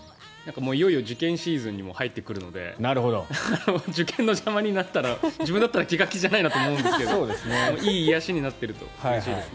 いよいよ受験のシーズンに入ってくるので受験の邪魔になったら自分だったら気が気じゃないなと思うんですけどでも、いい癒やしになっているとうれしいですね。